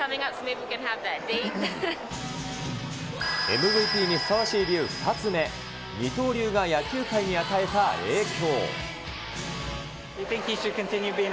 ＭＶＰにふさわしい理由２つ目、二刀流が野球界に与えた影響。